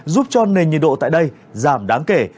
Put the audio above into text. giúp cho nền nhiệt độ tại đây giảm đáng kể